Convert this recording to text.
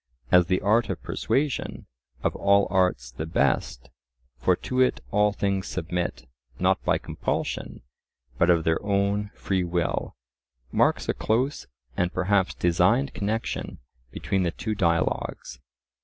as the art of persuasion, of all arts the best, for to it all things submit, not by compulsion, but of their own free will—marks a close and perhaps designed connection between the two dialogues.